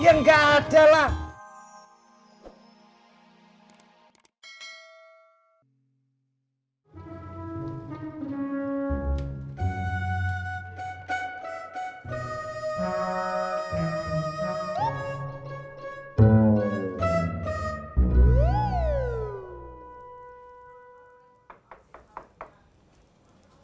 ya enggak ada lah